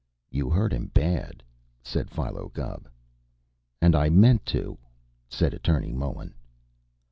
"You hurt him bad," said Philo Gubb. "And I meant to!" said Attorney Mullen.